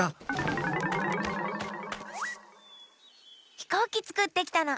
ひこうきつくってきたの。